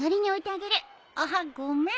あっごめん。